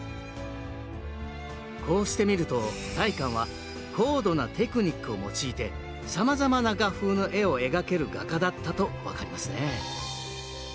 こうして見ると大観は高度なテクニックを用いてさまざまな画風の絵を描ける画家だったと分かりますね